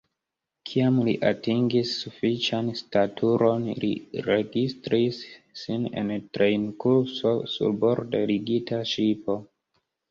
Kiam li atingis sufiĉan staturon, li registris sin en trejnkurso sur borde ligita ŝipo.